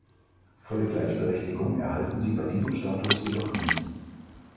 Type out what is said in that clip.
Volle Gleichberechtigung erhalten sie bei diesem Status jedoch nicht.